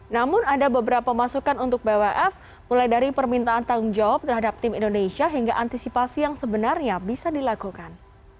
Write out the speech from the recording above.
namun ada beberapa masukan untuk bwf mulai dari permintaan tanggung jawab terhadap tim indonesia hingga antisipasi yang sebenarnya bisa dilakukan